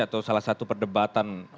atau salah satu perdebatan